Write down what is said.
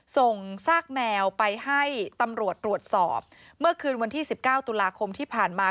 ซากแมวไปให้ตำรวจตรวจสอบเมื่อคืนวันที่สิบเก้าตุลาคมที่ผ่านมา